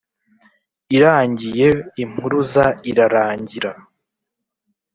Irangiye "Impuruza" irarangira